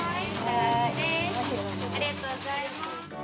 ありがとうございます。